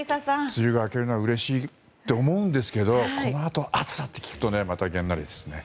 梅雨が明けるのはうれしいと思うんですけどこのあと、暑さと聞くとまたげんなりですね。